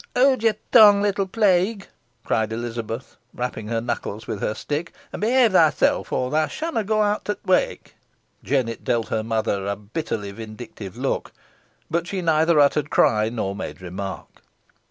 "Howd te tongue, little plague," cried Elizabeth, rapping her knuckles with her stick, "and behave thyself, or theaw shanna go out to t' wake." Jennet dealt her mother a bitterly vindictive look, but she neither uttered cry, nor made remark.